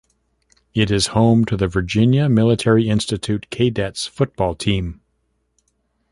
It is home to the Virginia Military Institute Keydets football team.